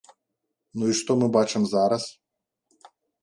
Ну і што мы бачым зараз?